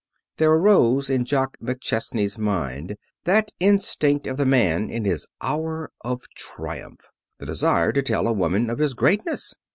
There arose in Jock McChesney's mind that instinct of the man in his hour of triumph the desire to tell a woman of his greatness.